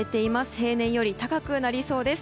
平年より高くなりそうです。